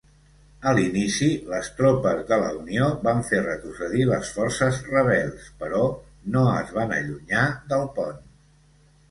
A l'inici, les tropes de la Unió van fer retrocedir les forces rebels, però no es van allunyar del pont.